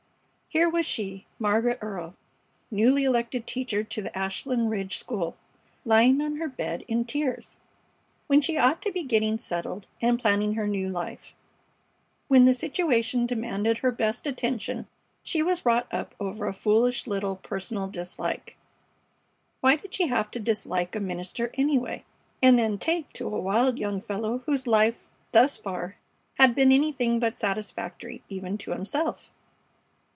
Here was she, Margaret Earle, newly elected teacher to the Ashland Ridge School, lying on her bed in tears, when she ought to be getting settled and planning her new life; when the situation demanded her best attention she was wrought up over a foolish little personal dislike. Why did she have to dislike a minister, anyway, and then take to a wild young fellow whose life thus far had been anything but satisfactory even to himself?